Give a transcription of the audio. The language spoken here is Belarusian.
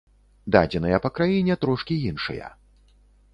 Дадзеныя па краіне трошкі іншыя.